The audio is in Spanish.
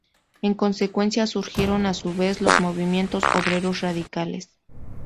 En consecuencia, surgieron a su vez los movimientos obreros radicales.